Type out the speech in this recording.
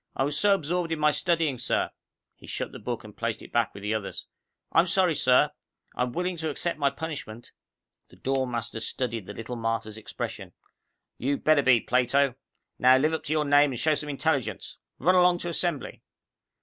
I was so absorbed in my studying, sir " He shut the book and placed it back with the others. "I'm sorry, sir. I'm willing to accept my punishment." The dorm master studied the little martyr's expression. "You'd better be, Plato. Now live up to your name and show some intelligence. Run along to Assembly."